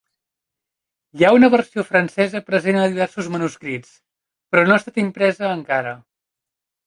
Hi ha una versió francesa present a diversos manuscrits, però no ha estat impresa encara.